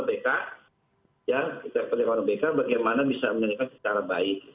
kita percaya pada bk bagaimana bisa menjadikan secara baik